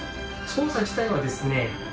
操作自体はですね